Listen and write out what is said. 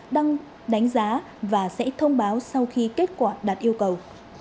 đăng đánh giá và sẽ thông báo sau khi kết quả đạt yêu cầu